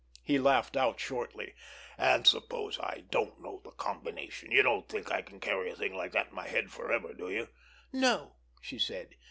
He laughed out shortly. "And suppose I don't know the combination! You don't think I can carry a thing like that in my head forever, do you?" "No," she said.